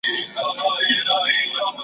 د ګډون کولو بلنه راکړه .